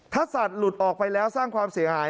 ถ้าสัตว์หลุดออกไปแล้วสร้างความเสียหาย